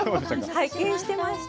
拝見してました。